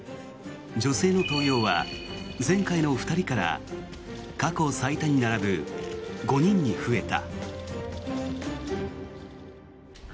女性の登用は前回の２人から過去最多に並ぶ５人に増えた。